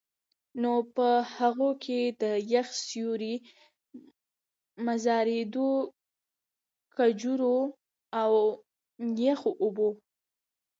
نو په هغو کي د يخ سيُوري، مزيدارو کجورو، او يخو اوبو